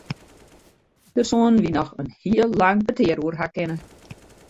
Dêr soenen we noch in heel lang petear oer ha kinne.